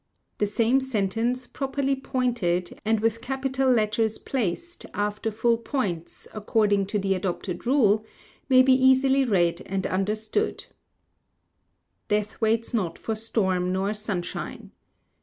The same sentence, properly pointed, and with capital letters placed; after full points, according to the adopted rule, may be easily read and understood: Death waits not for storm nor sunshine.